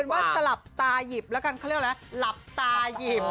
ว่าสลับตาหยิบแล้วกันเขาเรียกอะไรหลับตาหยิบ